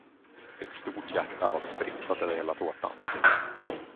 Ett stort hjärta var spritsat över hela tårtan.